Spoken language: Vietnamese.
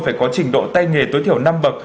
phải có trình độ tay nghề tối thiểu năm bậc